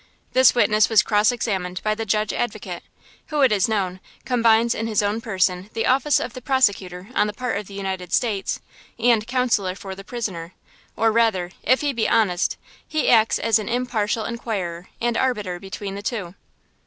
This witness was cross examined by the Judge Advocate, who, it is known, combines in his own person the office of prosecutor on the part of the United States and counsel for the prisoner, or rather, if he be honest, he acts as impartial inquirer and arbiter between the two.